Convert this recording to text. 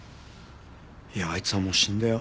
いやあいつはもう死んだよ。